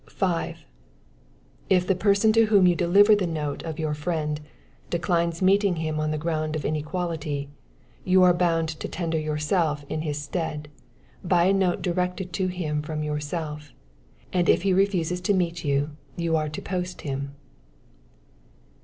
5. If the person to whom you deliver the note of your friend, declines meeting him on the ground of inequality, you are bound to tender yourself in his stead, by a note directed to him from yourself; and if he refuses to meet you, you are to post him.